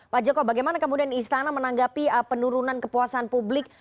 pak joko bagaimana kemudian istana menanggapi penurunan kepuasan publik